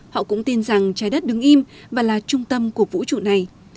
họ cũng tin rằng trái đất đứng im và là trung tâm của vũ trụ này